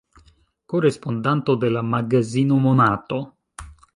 Korespondanto de la magazino Monato.